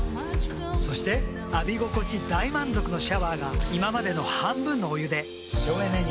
そして浴び心地大満足のシャワーが今までの半分のお湯で省エネに。